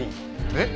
えっ？